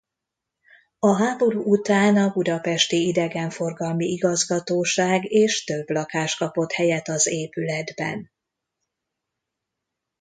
A háború után a Budapesti Idegenforgalmi Igazgatóság és több lakás kapott helyet az épületben.